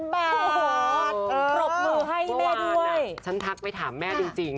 เมื่อวานน่ะฉันทักไปถามแม่จริง